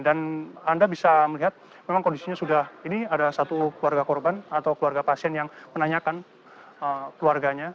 dan anda bisa melihat memang kondisinya sudah ini ada satu keluarga korban atau keluarga pasien yang menanyakan keluarganya